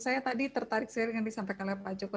saya tadi tertarik sekali dengan disampaikan oleh pak joko